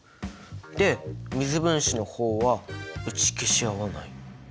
で水分子の方は打ち消し合わない？